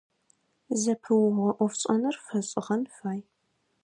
Зэпыугъо ӏофшӏэным фэшӏыгъэн фай.